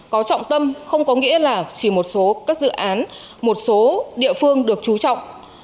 có trọng tâm không có nghĩa là chỉ một số các dự án một số địa phương được trú trọng